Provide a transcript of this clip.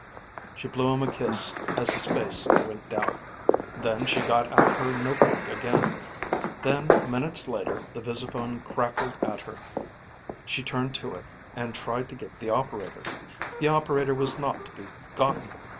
She blew him a kiss as his face winked out. Then she got out her notebook again. Then minutes later the visiphone crackled at her. She turned to it and tried to get the operator. The operator was not to be gotten.